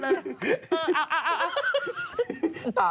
เออเอาเอาเอา